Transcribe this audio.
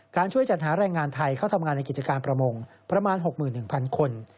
การช่วยจัดหารแรงงานไทยเข้าทำงานในกิจการประมงประมาณหกหมื่นหนึ่งพันคน